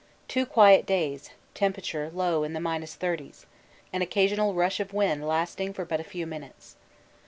Two quiet days, temperature low in the minus thirties an occasional rush of wind lasting for but a few minutes.